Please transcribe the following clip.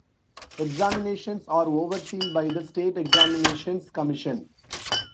Examinations are overseen by the State Examinations Commission.